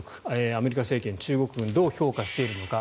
アメリカ政権は中国軍をどう評価しているのか。